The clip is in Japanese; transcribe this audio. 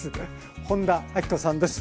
本田明子さんです。